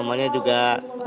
namanya juga warah santri ya